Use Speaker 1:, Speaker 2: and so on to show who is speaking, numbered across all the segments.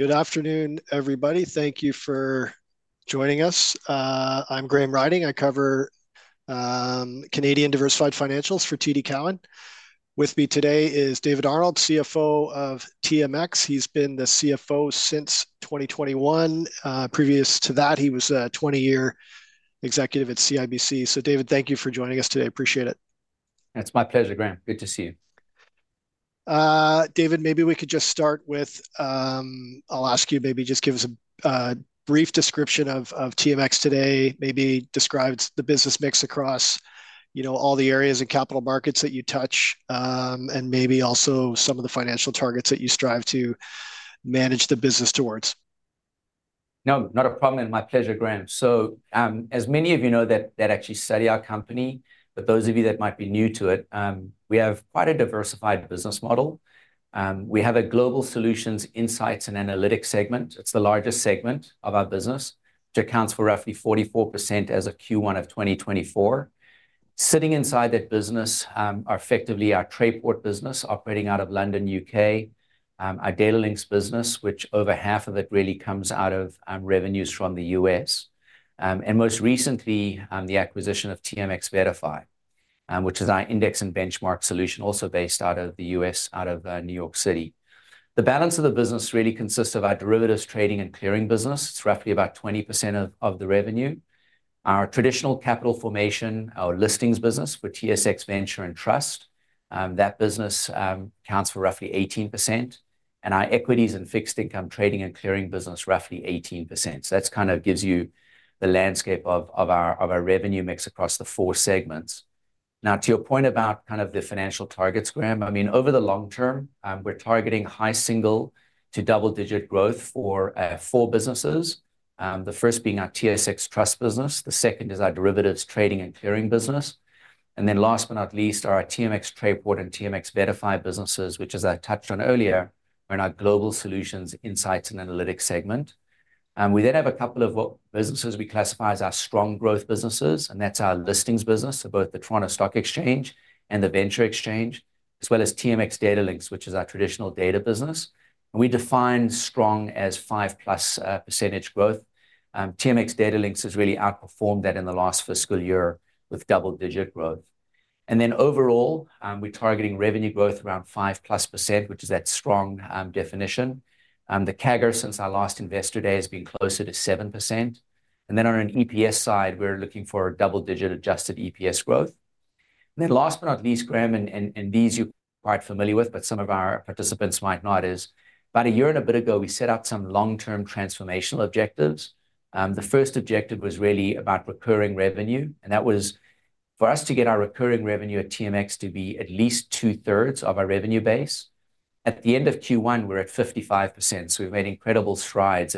Speaker 1: Good afternoon, everybody. Thank you for joining us. I'm Graham Ryding. I cover Canadian diversified financials for TD Cowen. With me today is David Arnold, CFO of TMX. He's been the CFO since 2021. Previous to that, he was a 20-year executive at CIBC. So, David, thank you for joining us today. Appreciate it.
Speaker 2: It's my pleasure, Graham. Good to see you.
Speaker 1: David, maybe we could just start with, I'll ask you, maybe just give us a brief description of TMX today, maybe describe the business mix across all the areas and capital markets that you touch, and maybe also some of the financial targets that you strive to manage the business towards.
Speaker 2: No, not a problem. My pleasure, Graham. So, as many of you know, that actually study our company. For those of you that might be new to it, we have quite a diversified business model. We have a Global Solutions, Insights and Analytics segment. It's the largest segment of our business, which accounts for roughly 44% as of Q1 of 2024. Sitting inside that business are effectively our Trayport business operating out of London, U.K., our Datalinx business, which over half of it really comes out of revenues from the U.S. And most recently, the acquisition of TMX VettaFi, which is our index and benchmark solution, also based out of the U.S., out of New York City. The balance of the business really consists of our derivatives trading and clearing business. It's roughly about 20% of the revenue. Our traditional capital formation, our listings business for TSX Venture and Trust, that business accounts for roughly 18%. Our equities and fixed income trading and clearing business, roughly 18%. So that kind of gives you the landscape of our revenue mix across the four segments. Now, to your point about kind of the financial targets, Graham, I mean, over the long term, we're targeting high single to double digit growth for four businesses. The first being our TSX Trust business. The second is our derivatives trading and clearing business. And then last but not least, our TMX Trayport and TMX VettaFi businesses, which, as I touched on earlier, are in our Global Solutions, Insights and Analytics segment. We then have a couple of businesses we classify as our strong growth businesses, and that's our listings business, so both the Toronto Stock Exchange and the Venture Exchange, as well as TMX Datalinx, which is our traditional data business. And we define strong as five-plus percentage growth. TMX Datalinx has really outperformed that in the last fiscal year with double-digit growth. And then overall, we're targeting revenue growth around five-plus percent, which is that strong definition. The CAGR, since our last investor day, has been closer to 7%. And then on an EPS side, we're looking for double-digit adjusted EPS growth. And then last but not least, Graham, and these you're quite familiar with, but some of our participants might not, is about a year and a bit ago, we set out some long-term transformational objectives. The first objective was really about recurring revenue. That was for us to get our recurring revenue at TMX to be at least two-thirds of our revenue base. At the end of Q1, we're at 55%. We've made incredible strides.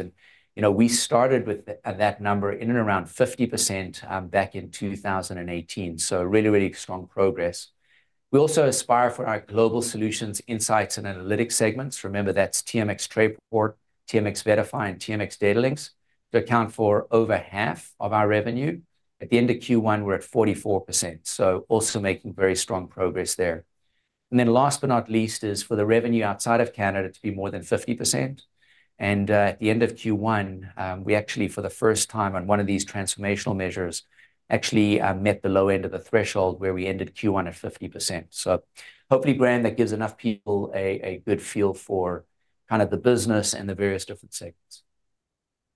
Speaker 2: We started with that number in and around 50% back in 2018. Really, really strong progress. We also aspire for our Global Solutions, Insights and Analytics segments. Remember, that's TMX Trayport, TMX VettaFi, and TMX Datalinx to account for over half of our revenue. At the end of Q1, we're at 44%. Also making very strong progress there. Then last but not least is for the revenue outside of Canada to be more than 50%. At the end of Q1, we actually, for the first time on one of these transformational measures, actually met the low end of the threshold where we ended Q1 at 50%. So hopefully, Graham, that gives enough people a good feel for kind of the business and the various different segments.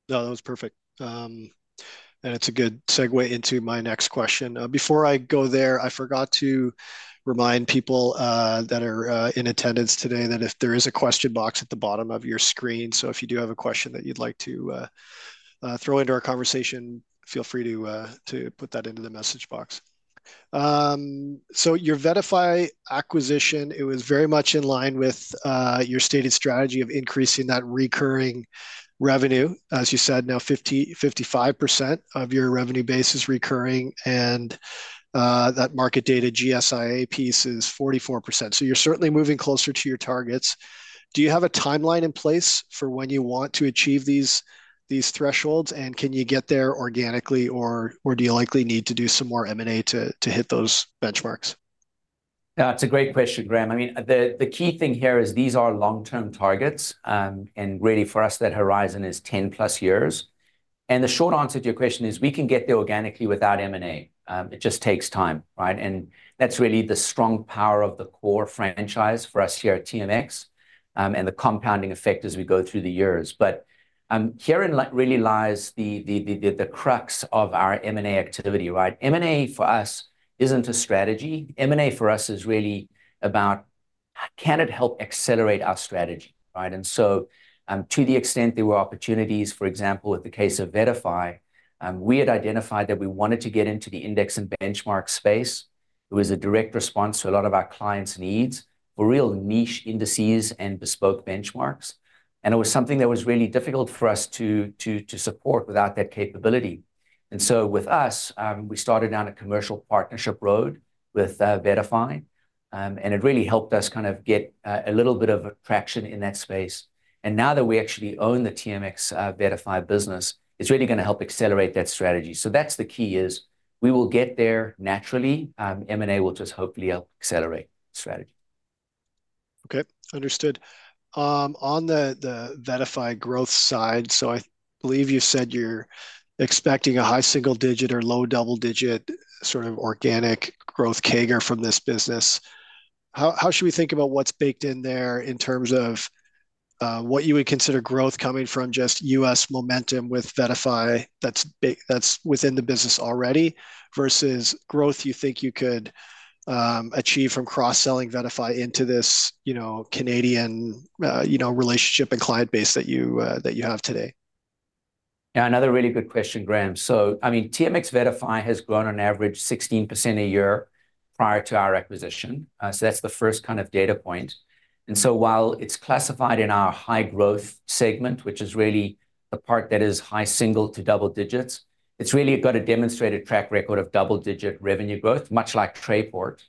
Speaker 1: No, that was perfect. It's a good segue into my next question. Before I go there, I forgot to remind people that are in attendance today that if there is a question box at the bottom of your screen, so if you do have a question that you'd like to throw into our conversation, feel free to put that into the message box. Your VettaFi acquisition, it was very much in line with your stated strategy of increasing that recurring revenue. As you said, now 55% of your revenue base is recurring, and that market data GSIA piece is 44%. You're certainly moving closer to your targets. Do you have a timeline in place for when you want to achieve these thresholds, and can you get there organically, or do you likely need to do some more M&A to hit those benchmarks?
Speaker 2: That's a great question, Graham. I mean, the key thing here is these are long term targets. Really for us, that horizon is 10+ years. The short answer to your question is we can get there organically without M&A. It just takes time. That's really the strong power of the core franchise for us here at TMX and the compounding effect as we go through the years. But herein really lies the crux of our M&A activity. M&A for us isn't a strategy. M&A for us is really about, can it help accelerate our strategy? To the extent there were opportunities, for example, with the case of VettaFi, we had identified that we wanted to get into the index and benchmark space. It was a direct response to a lot of our clients' needs for real niche indices and bespoke benchmarks. It was something that was really difficult for us to support without that capability. So with us, we started down a commercial partnership road with VettaFi, and it really helped us kind of get a little bit of traction in that space. Now that we actually own the TMX VettaFi business, it's really going to help accelerate that strategy. So that's the key is we will get there naturally. M&A will just hopefully help accelerate the strategy.
Speaker 1: Okay, understood. On the VettaFi growth side, so I believe you said you're expecting a high single digit or low double digit sort of organic growth CAGR from this business. How should we think about what's baked in there in terms of what you would consider growth coming from just U.S. momentum with VettaFi that's within the business already versus growth you think you could achieve from cross-selling VettaFi into this Canadian relationship and client base that you have today?
Speaker 2: Yeah, another really good question, Graham. So I mean, TMX VettaFi has grown on average 16% a year prior to our acquisition. So that's the first kind of data point. And so while it's classified in our high growth segment, which is really the part that is high single to double digits, it's really got a demonstrated track record of double-digit revenue growth, much like Trayport.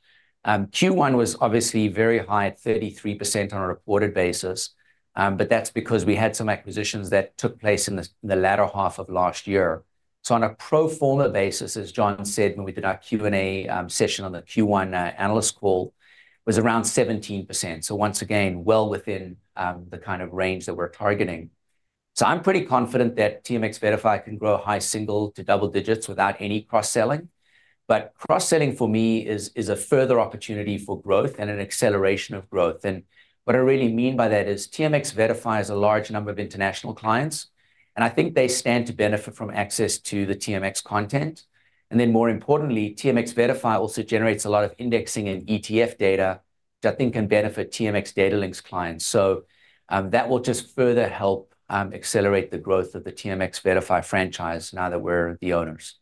Speaker 2: Q1 was obviously very high at 33% on a reported basis, but that's because we had some acquisitions that took place in the latter half of last year. So on a pro forma basis, as John said, when we did our Q&A session on the Q1 analyst call, it was around 17%. So once again, well within the kind of range that we're targeting. So I'm pretty confident that TMX VettaFi can grow high single to double digits without any cross-selling. Cross-selling for me is a further opportunity for growth and an acceleration of growth. What I really mean by that is TMX VettaFi has a large number of international clients, and I think they stand to benefit from access to the TMX content. Then more importantly, TMX VettaFi also generates a lot of indexing and ETF data that I think can benefit TMX Datalinx clients. That will just further help accelerate the growth of the TMX VettaFi franchise now that we're the owners.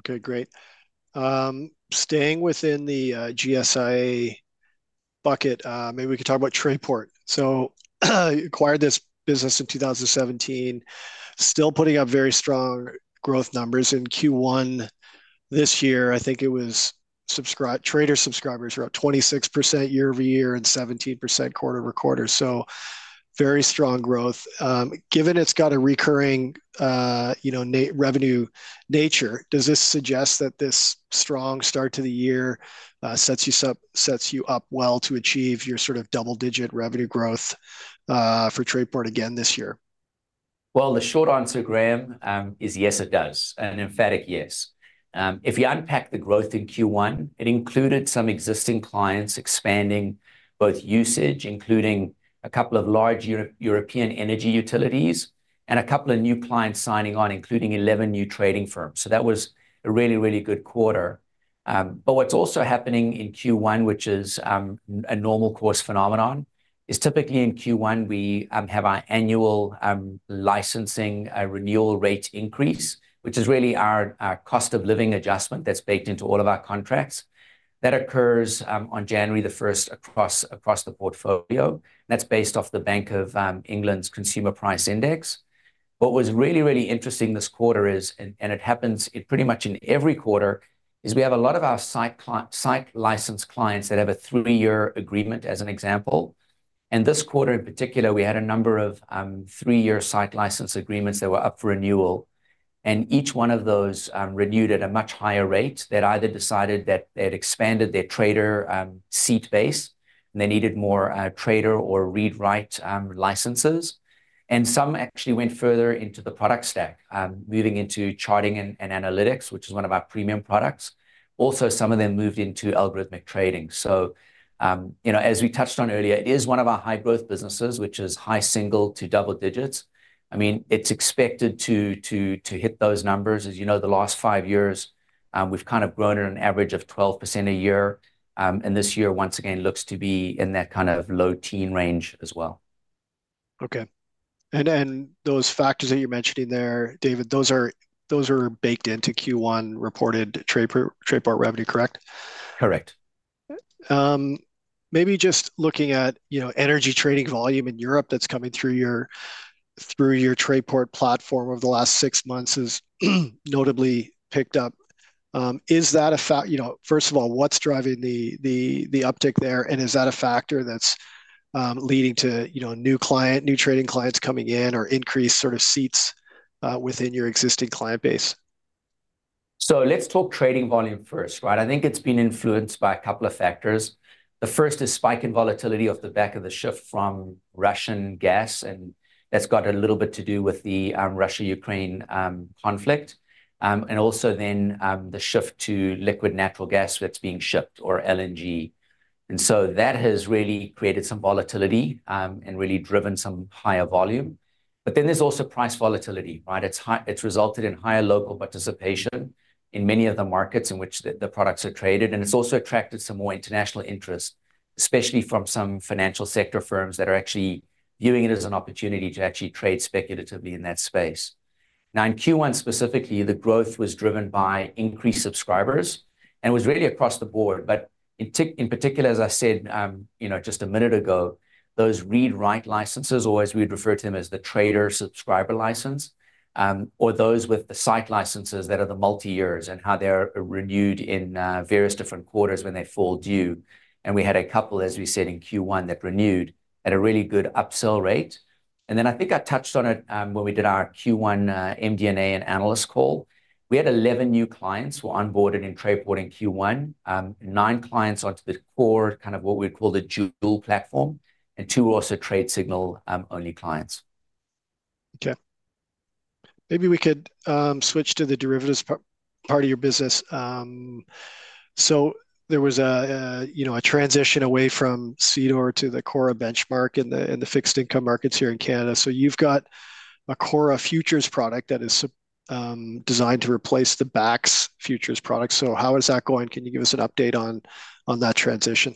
Speaker 1: Okay, great. Staying within the GSIA bucket, maybe we could talk about Trayport. So you acquired this business in 2017, still putting up very strong growth numbers. In Q1 this year, I think it was trader subscribers were up 26% year-over-year and 17% quarter-over-quarter. So very strong growth. Given it's got a recurring revenue nature, does this suggest that this strong start to the year sets you up well to achieve your sort of double digit revenue growth for Trayport again this year?
Speaker 2: Well, the short answer, Graham, is yes, it does. An emphatic yes. If you unpack the growth in Q1, it included some existing clients expanding both usage, including a couple of large European energy utilities, and a couple of new clients signing on, including 11 new trading firms. So that was a really, really good quarter. But what's also happening in Q1, which is a normal course phenomenon, is typically in Q1, we have our annual licensing renewal rate increase, which is really our cost of living adjustment that's baked into all of our contracts. That occurs on January 1st across the portfolio. That's based off the Bank of England's Consumer Price Index. What was really, really interesting this quarter is, and it happens pretty much in every quarter, is we have a lot of our site license clients that have a three-year agreement, as an example. This quarter in particular, we had a number of three-year site license agreements that were up for renewal. Each one of those renewed at a much higher rate. They'd either decided that they'd expanded their trader seat base, and they needed more trader or read-write licenses. Some actually went further into the product stack, moving into charting and analytics, which is one of our premium products. Also, some of them moved into algorithmic trading. As we touched on earlier, it is one of our high growth businesses, which is high single- to double-digit. I mean, it's expected to hit those numbers. As you know, the last five years, we've kind of grown at an average of 12% a year. This year, once again, looks to be in that kind of low-teens range as well.
Speaker 1: Okay. Those factors that you're mentioning there, David, those are baked into Q1 reported Trayport revenue, correct?
Speaker 2: Correct.
Speaker 1: Maybe just looking at energy trading volume in Europe that's coming through your Trayport platform over the last six months has notably picked up. Is that, first of all, what's driving the uptick there? And is that a factor that's leading to new client, new trading clients coming in or increased sort of seats within your existing client base?
Speaker 2: So let's talk trading volume first. I think it's been influenced by a couple of factors. The first is spike in volatility off the back of the shift from Russian gas. That's got a little bit to do with the Russia-Ukraine conflict. Also then the shift to liquefied natural gas that's being shipped, or LNG. So that has really created some volatility and really driven some higher volume. Then there's also price volatility. It's resulted in higher local participation in many of the markets in which the products are traded. It's also attracted some more international interest, especially from some financial sector firms that are actually viewing it as an opportunity to actually trade speculatively in that space. Now, in Q1 specifically, the growth was driven by increased subscribers. It was really across the board. But in particular, as I said just a minute ago, those read-write licenses, or as we'd refer to them as the trader subscriber license, or those with the site licenses that are the multi-years and how they're renewed in various different quarters when they fall due. And we had a couple, as we said in Q1, that renewed at a really good upsell rate. And then I think I touched on it when we did our Q1 MD&A and analyst call. We had 11 new clients who were onboarded in Trayport in Q1, 9 clients onto the core kind of what we'd call the dual platform, and 2 were also Tradesignal only clients.
Speaker 1: Okay. Maybe we could switch to the derivatives part of your business. So there was a transition away from CDOR to the CORRA benchmark in the fixed income markets here in Canada. So you've got a CORRA futures product that is designed to replace the BAX futures product. So how is that going? Can you give us an update on that transition?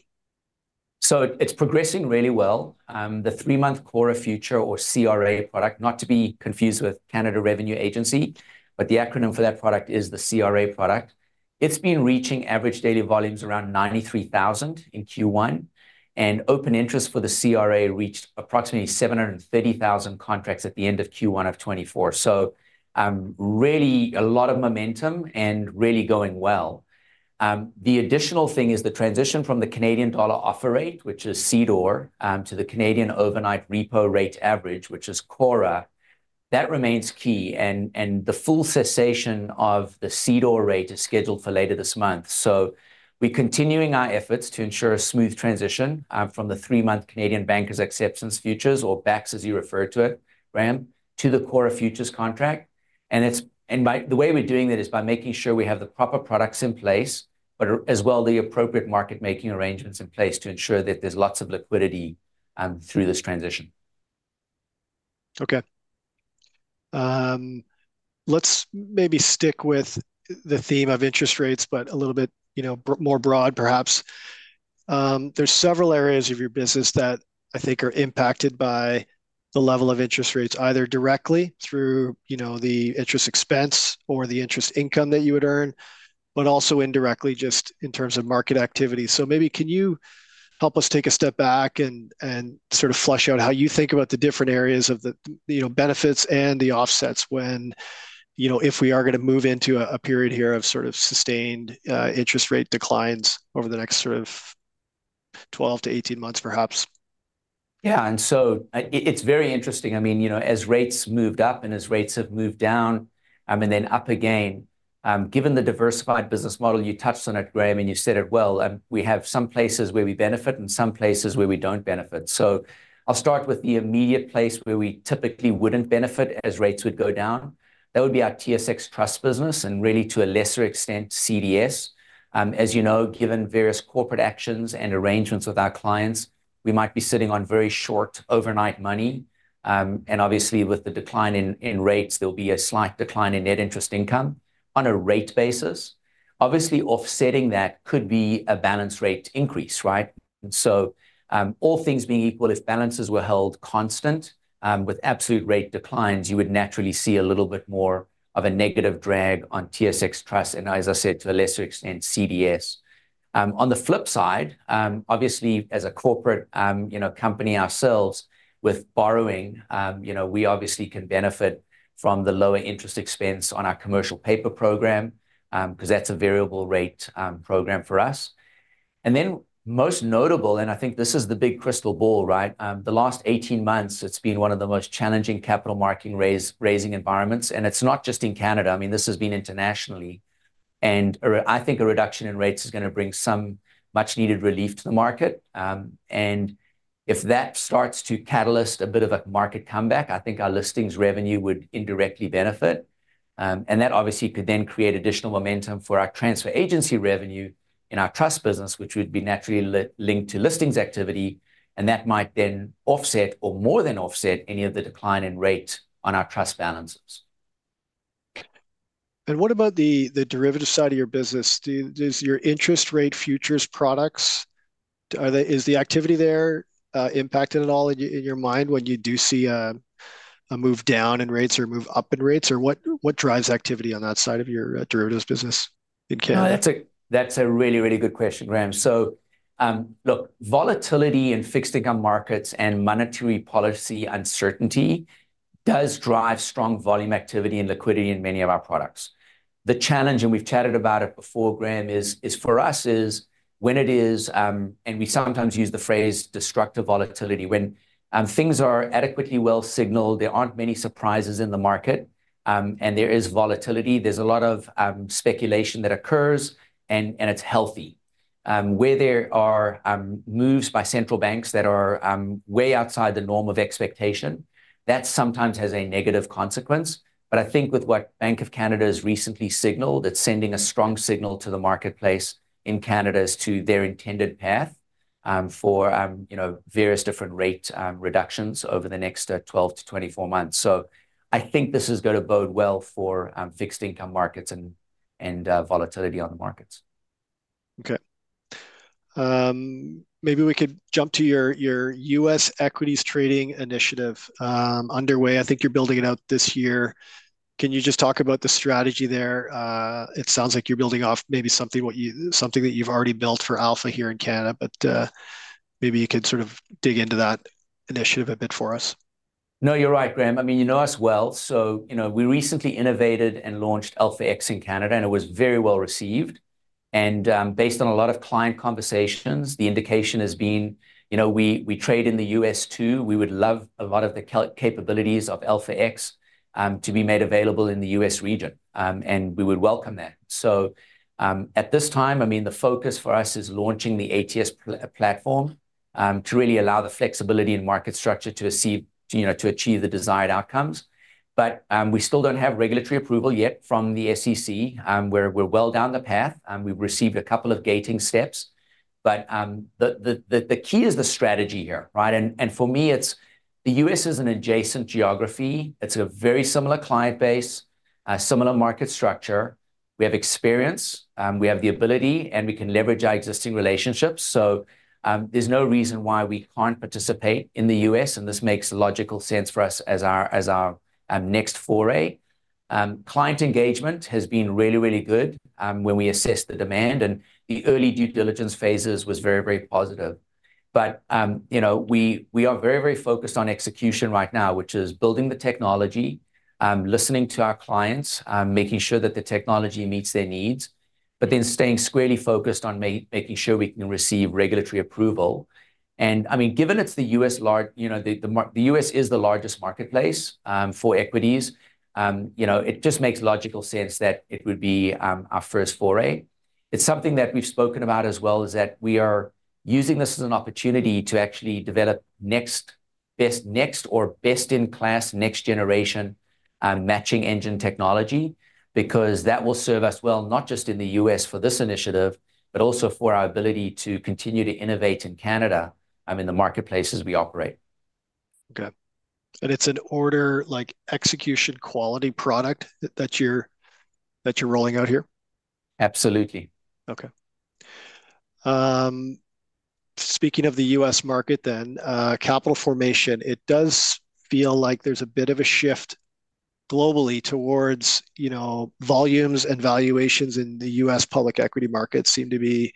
Speaker 2: So it's progressing really well. The three-month CORRA future, or CRA product, not to be confused with Canada Revenue Agency, but the acronym for that product is the CRA product. It's been reaching average daily volumes around 93,000 in Q1. And open interest for the CRA reached approximately 730,000 contracts at the end of Q1 of 2024. So really a lot of momentum and really going well. The additional thing is the transition from the Canadian Dollar Offered Rate, which is CDOR, to the Canadian Overnight Repo Rate Average, which is CORRA. That remains key. And the full cessation of the CDOR rate is scheduled for later this month. So we're continuing our efforts to ensure a smooth transition from the three-month Canadian Bankers' Acceptance futures, or BAX, as you refer to it, Graham, to the CORRA futures contract. The way we're doing that is by making sure we have the proper products in place, but as well the appropriate market-making arrangements in place to ensure that there's lots of liquidity through this transition.
Speaker 1: Okay. Let's maybe stick with the theme of interest rates, but a little bit more broad, perhaps. There's several areas of your business that I think are impacted by the level of interest rates, either directly through the interest expense or the interest income that you would earn, but also indirectly just in terms of market activity. So maybe can you help us take a step back and sort of flesh out how you think about the different areas of the benefits and the offsets if we are going to move into a period here of sort of sustained interest rate declines over the next sort of 12-18 months, perhaps?
Speaker 2: Yeah. So it's very interesting. I mean, as rates moved up and as rates have moved down and then up again, given the diversified business model, you touched on it, Graham, and you said it well, we have some places where we benefit and some places where we don't benefit. So I'll start with the immediate place where we typically wouldn't benefit as rates would go down. That would be our TSX Trust business and really to a lesser extent, CDS. As you know, given various corporate actions and arrangements with our clients, we might be sitting on very short overnight money. And obviously, with the decline in rates, there'll be a slight decline in net interest income on a rate basis. Obviously, offsetting that could be a balance rate increase. So all things being equal, if balances were held constant with absolute rate declines, you would naturally see a little bit more of a negative drag on TSX Trust and, as I said, to a lesser extent, CDS. On the flip side, obviously, as a corporate company ourselves with borrowing, we obviously can benefit from the lower interest expense on our commercial paper program because that's a variable rate program for us. And then most notable, and I think this is the big crystal ball, the last 18 months, it's been one of the most challenging capital market raising environments. And it's not just in Canada. I mean, this has been internationally. And I think a reduction in rates is going to bring some much-needed relief to the market. And if that starts to catalyst a bit of a market comeback, I think our listings revenue would indirectly benefit. That obviously could then create additional momentum for our transfer agency revenue in our trust business, which would be naturally linked to listings activity. That might then offset or more than offset any of the decline in rate on our trust balances.
Speaker 1: What about the derivative side of your business? Does your interest rate futures products, is the activity there impacted at all in your mind when you do see a move down in rates or move up in rates? Or what drives activity on that side of your derivatives business in Canada?
Speaker 2: That's a really, really good question, Graham. So look, volatility in fixed income markets and monetary policy uncertainty does drive strong volume activity and liquidity in many of our products. The challenge, and we've chatted about it before, Graham, is for us is when it is, and we sometimes use the phrase destructive volatility, when things are adequately well signaled, there aren't many surprises in the market, and there is volatility. There's a lot of speculation that occurs, and it's healthy. Where there are moves by central banks that are way outside the norm of expectation, that sometimes has a negative consequence. But I think with what Bank of Canada has recently signaled, it's sending a strong signal to the marketplace in Canada as to their intended path for various different rate reductions over the next 12-24 months. I think this is going to bode well for fixed income markets and volatility on the markets.
Speaker 1: Okay. Maybe we could jump to your U.S. equities trading initiative underway. I think you're building it out this year. Can you just talk about the strategy there? It sounds like you're building off maybe something that you've already built for Alpha here in Canada, but maybe you could sort of dig into that initiative a bit for us.
Speaker 2: No, you're right, Graham. I mean, you know us well. So we recently innovated and launched Alpha X in Canada, and it was very well received. And based on a lot of client conversations, the indication has been we trade in the U.S. too. We would love a lot of the capabilities of Alpha X to be made available in the U.S. region. And we would welcome that. So at this time, I mean, the focus for us is launching the ATS platform to really allow the flexibility and market structure to achieve the desired outcomes. But we still don't have regulatory approval yet from the SEC. We're well down the path. We've received a couple of gating steps. But the key is the strategy here. And for me, it's the U.S. is an adjacent geography. It's a very similar client base, similar market structure. We have experience. We have the ability, and we can leverage our existing relationships. So there's no reason why we can't participate in the U.S. And this makes logical sense for us as our next foray. Client engagement has been really, really good when we assess the demand. And the early due diligence phases was very, very positive. But we are very, very focused on execution right now, which is building the technology, listening to our clients, making sure that the technology meets their needs, but then staying squarely focused on making sure we can receive regulatory approval. And I mean, given it's the U.S. is the largest marketplace for equities, it just makes logical sense that it would be our first foray. It's something that we've spoken about as well, is that we are using this as an opportunity to actually develop next best next or best in class next generation matching engine technology because that will serve us well, not just in the U.S. for this initiative, but also for our ability to continue to innovate in Canada in the marketplaces we operate.
Speaker 1: Okay. It's an order-like execution quality product that you're rolling out here?
Speaker 2: Absolutely.
Speaker 1: Okay. Speaking of the U.S. market then, capital formation, it does feel like there's a bit of a shift globally towards volumes and valuations in the U.S. public equity markets seem to be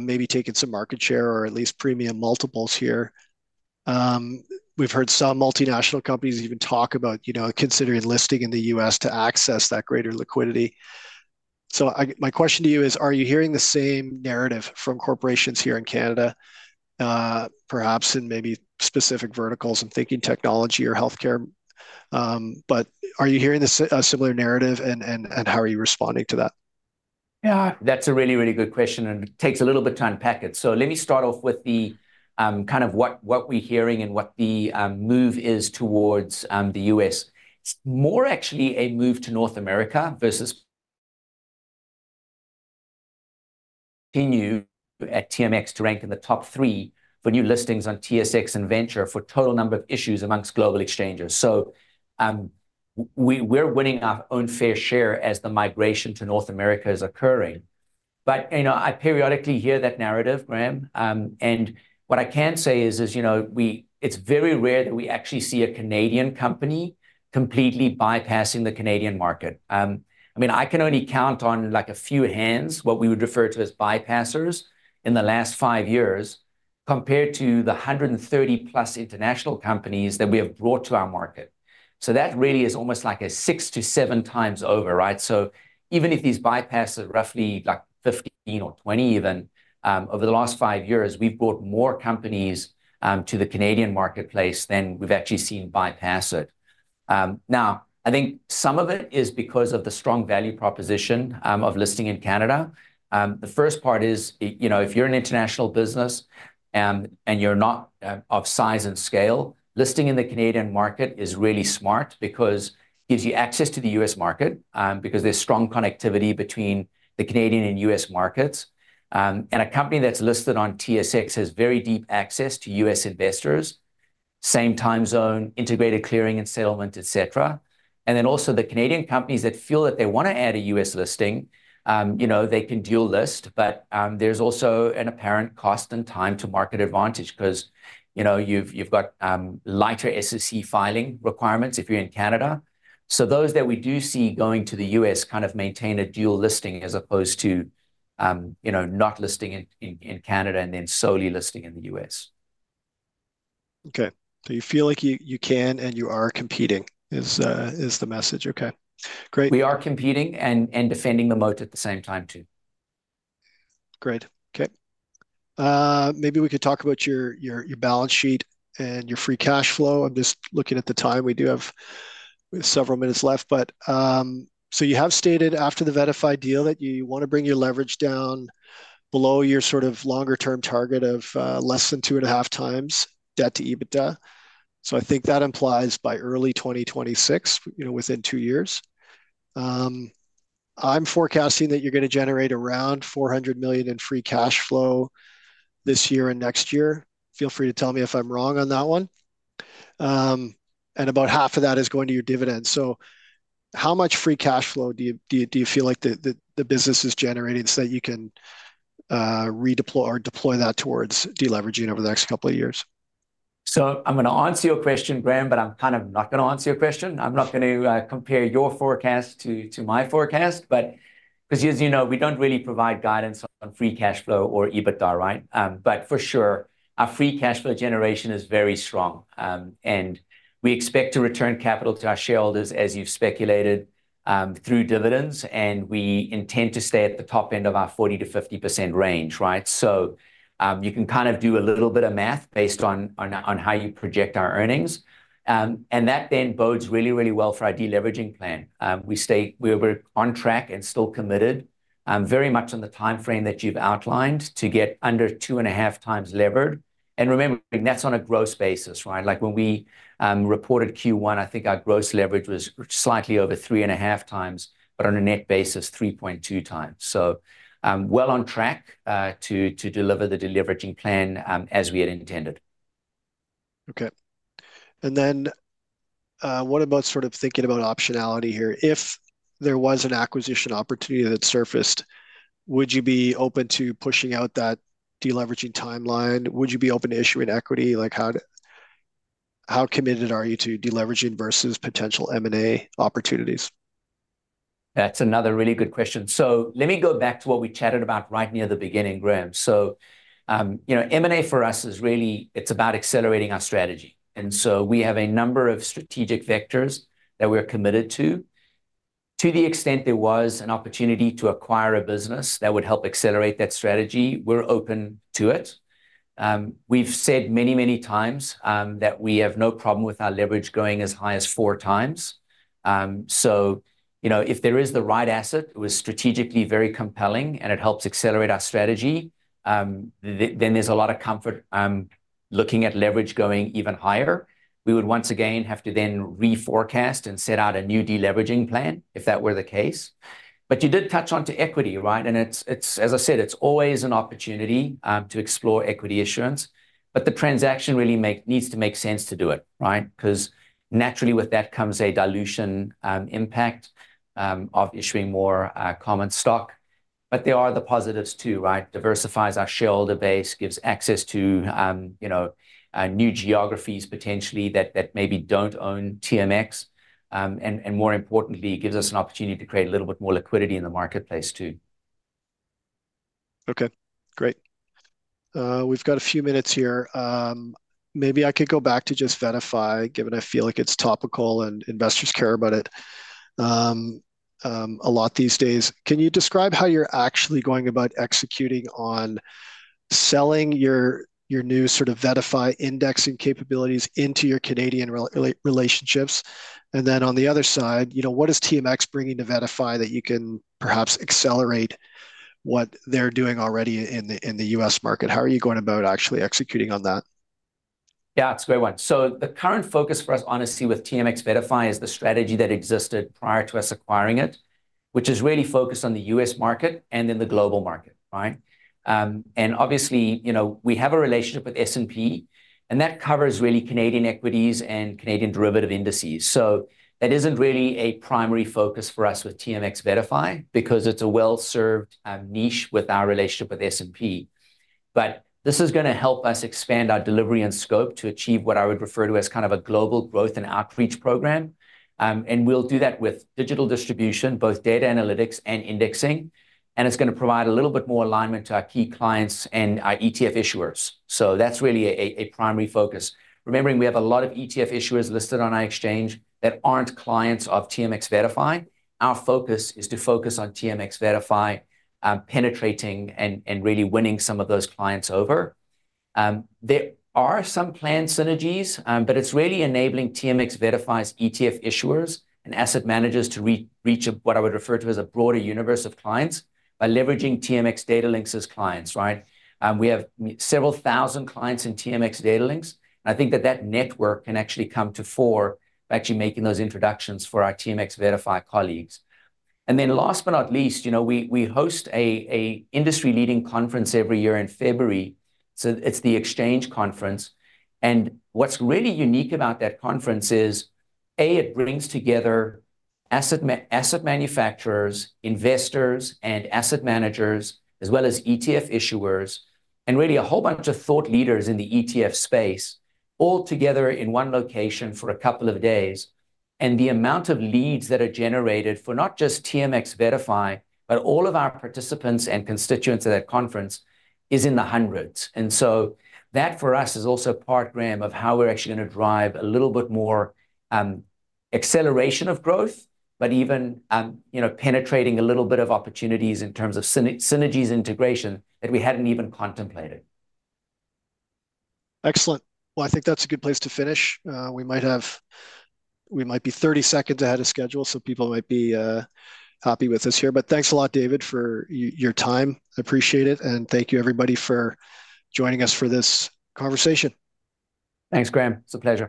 Speaker 1: maybe taking some market share or at least premium multiples here. We've heard some multinational companies even talk about considering listing in the U.S. to access that greater liquidity. So my question to you is, are you hearing the same narrative from corporations here in Canada, perhaps in maybe specific verticals and thinking technology or healthcare? But are you hearing a similar narrative, and how are you responding to that?
Speaker 2: Yeah, that's a really, really good question. It takes a little bit to unpack it. Let me start off with kind of what we're hearing and what the move is towards the U.S. It's more actually a move to North America versus continue at TMX to rank in the top 3 for new listings on TSX and venture for total number of issues amongst global exchanges. We're winning our own fair share as the migration to North America is occurring. But I periodically hear that narrative, Graham. And what I can say is it's very rare that we actually see a Canadian company completely bypassing the Canadian market. I mean, I can only count on a few hands, what we would refer to as bypassers in the last 5 years compared to the 130+ international companies that we have brought to our market. That really is almost like a 6-7 times over. So even if these bypasses are roughly like 15 or 20 even, over the last 5 years, we've brought more companies to the Canadian marketplace than we've actually seen bypass it. Now, I think some of it is because of the strong value proposition of listing in Canada. The first part is if you're an international business and you're not of size and scale, listing in the Canadian market is really smart because it gives you access to the U.S. market because there's strong connectivity between the Canadian and U.S. markets. And a company that's listed on TSX has very deep access to U.S. investors, same time zone, integrated clearing and settlement, et cetera. And then also the Canadian companies that feel that they want to add a U.S. listing, they can dual list. But there's also an apparent cost and time to market advantage because you've got lighter SEC filing requirements if you're in Canada. So those that we do see going to the U.S. kind of maintain a dual listing as opposed to not listing in Canada and then solely listing in the U.S.
Speaker 1: Okay. Do you feel like you can and you are competing? Is the message. Okay. Great.
Speaker 2: We are competing and defending the moat at the same time too.
Speaker 1: Great. Okay. Maybe we could talk about your balance sheet and your free cash flow. I'm just looking at the time. We do have several minutes left. But so you have stated after the VettaFi deal that you want to bring your leverage down below your sort of longer-term target of less than 2.5 times debt to EBITDA. So I think that implies by early 2026, within two years. I'm forecasting that you're going to generate around 400 million in free cash flow this year and next year. Feel free to tell me if I'm wrong on that one. And about half of that is going to your dividends. So how much free cash flow do you feel like the business is generating so that you can redeploy or deploy that towards deleveraging over the next couple of years?
Speaker 2: I'm going to answer your question, Graham, but I'm kind of not going to answer your question. I'm not going to compare your forecast to my forecast because, as you know, we don't really provide guidance on free cash flow or EBITDA, right? For sure, our free cash flow generation is very strong. We expect to return capital to our shareholders, as you've speculated, through dividends. We intend to stay at the top end of our 40%-50% range, right? You can kind of do a little bit of math based on how you project our earnings. That then bodes really, really well for our deleveraging plan. We're on track and still committed very much on the time frame that you've outlined to get under 2.5x levered. Remember, that's on a gross basis, right? Like when we reported Q1, I think our gross leverage was slightly over 3.5x, but on a net basis, 3.2x. So well on track to deliver the deleveraging plan as we had intended.
Speaker 1: Okay. And then what about sort of thinking about optionality here? If there was an acquisition opportunity that surfaced, would you be open to pushing out that deleveraging timeline? Would you be open to issuing equity? How committed are you to deleveraging versus potential M&A opportunities?
Speaker 2: That's another really good question. So let me go back to what we chatted about right near the beginning, Graham. So M&A for us is really, it's about accelerating our strategy. And so we have a number of strategic vectors that we're committed to. To the extent there was an opportunity to acquire a business that would help accelerate that strategy, we're open to it. We've said many, many times that we have no problem with our leverage going as high as 4x. So if there is the right asset, it was strategically very compelling, and it helps accelerate our strategy, then there's a lot of comfort looking at leverage going even higher. We would once again have to then reforecast and set out a new deleveraging plan if that were the case. But you did touch onto equity, right? As I said, it's always an opportunity to explore equity issuance. The transaction really needs to make sense to do it, right? Because naturally, with that comes a dilution impact of issuing more common stock. There are the positives too, right? Diversifies our shareholder base, gives access to new geographies potentially that maybe don't own TMX. More importantly, it gives us an opportunity to create a little bit more liquidity in the marketplace too.
Speaker 1: Okay. Great. We've got a few minutes here. Maybe I could go back to just VettaFi, given I feel like it's topical and investors care about it a lot these days. Can you describe how you're actually going about executing on selling your new sort of VettaFi indexing capabilities into your Canadian relationships? And then on the other side, what is TMX bringing to VettaFi that you can perhaps accelerate what they're doing already in the U.S. market? How are you going about actually executing on that?
Speaker 2: Yeah, it's a great one. So the current focus for us, honestly, with TMX VettaFi is the strategy that existed prior to us acquiring it, which is really focused on the U.S. market and then the global market, right? And obviously, we have a relationship with S&P, and that covers really Canadian equities and Canadian derivative indices. So that isn't really a primary focus for us with TMX VettaFi because it's a well-served niche with our relationship with S&P. But this is going to help us expand our delivery and scope to achieve what I would refer to as kind of a global growth and outreach program. And we'll do that with digital distribution, both data analytics and indexing. And it's going to provide a little bit more alignment to our key clients and our ETF issuers. So that's really a primary focus. Remembering, we have a lot of ETF issuers listed on our exchange that aren't clients of TMX VettaFi. Our focus is to focus on TMX VettaFi penetrating and really winning some of those clients over. There are some planned synergies, but it's really enabling TMX VettaFi's ETF issuers and asset managers to reach what I would refer to as a broader universe of clients by leveraging TMX Datalinx's clients, right? We have several thousand clients in TMX Datalinx. And I think that that network can actually come to the fore by actually making those introductions for our TMX VettaFi colleagues. And then last but not least, we host an industry-leading conference every year in February. So it's the Exchange conference. What's really unique about that conference is, A, it brings together asset manufacturers, investors, and asset managers, as well as ETF issuers, and really a whole bunch of thought leaders in the ETF space all together in one location for a couple of days. The amount of leads that are generated for not just TMX VettaFi, but all of our participants and constituents at that conference is in the hundreds. So that for us is also part, Graham, of how we're actually going to drive a little bit more acceleration of growth, but even penetrating a little bit of opportunities in terms of synergies integration that we hadn't even contemplated.
Speaker 1: Excellent. Well, I think that's a good place to finish. We might be 30 seconds ahead of schedule, so people might be happy with us here. But thanks a lot, David, for your time. I appreciate it. Thank you, everybody, for joining us for this conversation.
Speaker 2: Thanks, Graham. It's a pleasure.